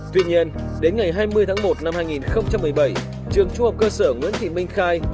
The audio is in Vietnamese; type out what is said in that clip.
tuy nhiên đến ngày hai mươi tháng một năm hai nghìn một mươi bảy trường trung học cơ sở nguyễn thị minh khai